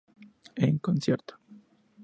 En concierto...